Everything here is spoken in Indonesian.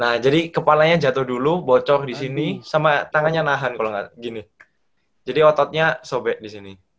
nah jadi kepalanya jatuh dulu bocor di sini sama tangannya nahan kalau nggak gini jadi ototnya sobek di sini